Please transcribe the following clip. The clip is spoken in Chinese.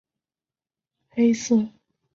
黑色珍灯鱼为灯笼鱼科珍灯鱼属的鱼类。